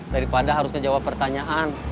daripada harus ngejawab pertanyaan